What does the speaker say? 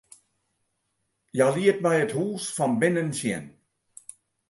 Hja liet my it hûs fan binnen sjen.